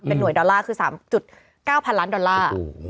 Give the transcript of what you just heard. หน่วยดอลลาร์คือ๓๙๐๐ล้านดอลลาร์